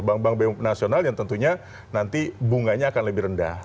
bank bank bumn nasional yang tentunya nanti bunganya akan lebih rendah